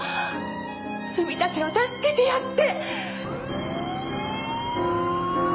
文武を助けてやって！